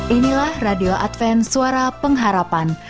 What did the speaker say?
inilah radio advent suara pengharapan